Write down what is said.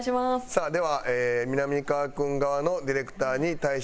さあではみなみかわ君側のディレクターに退出してもらいます。